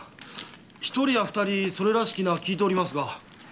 一人や二人それらしき名は聞いておりますが。